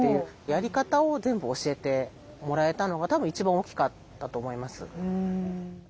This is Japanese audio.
やり方を全部教えてもらえたのが多分一番大きかったと思います。